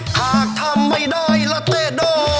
หากทำไม่ได้ละเต้โด